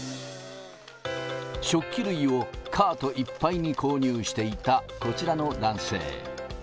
食器類をカートいっぱいに購入していたこちらの男性。